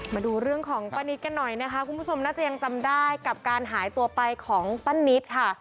มาดูเรื่องของป้านิตกันหน่อยนะคะคุณผู้ชมน่าจะยังจำได้กับการหายตัวไปของป้านิตค่ะ